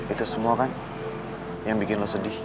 itu semua kan yang bikin lo sedih